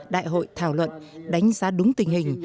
đại hội thảo luận đánh giá đúng tình hình